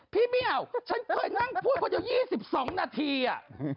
พี่เหมียวฉันเคยนั่งพูด๒๒นาทีอ่ะ